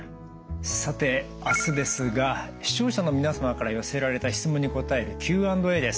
さて明日ですが視聴者の皆様から寄せられた質問に答えるＱ＆Ａです。